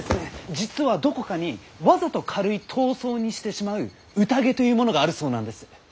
実はどこかにわざと軽い痘瘡にしてしまう宴というものがあるそうなんです！